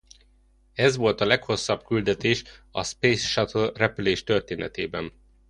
Ez volt a leghosszabb küldetés a Space Shuttle repülés történetében.